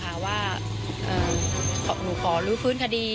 อันดับสุดท้าย